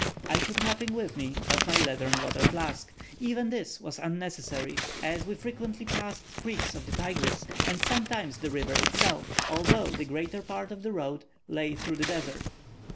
I took nothing with me but my leathern water flask, and even this was unnecessary, as we frequently passed creeks of the Tigris, and sometimes the river itself, although the greater part of the road lay through the desert.